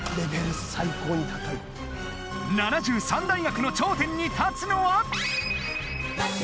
７３大学の頂点に立つのは。